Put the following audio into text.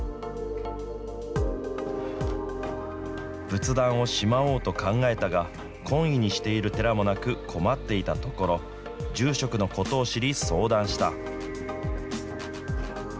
仏壇をしまおうと考えたが、懇意にしている寺もなく困っていたところ、住職のことを知り相談した。